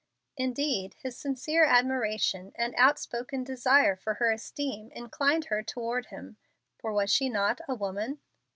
Indeed, his sincere admiration and outspoken desire for her esteem inclined her toward him, for was she not a woman?